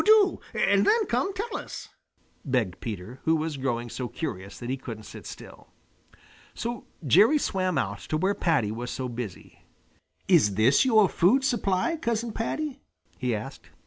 "Do, and then come tell us," begged Peter, who was growing so curious that he couldn't sit still. So Jerry swam out to where Paddy was so busy. "Is this your food supply, Cousin Paddy?" he asked.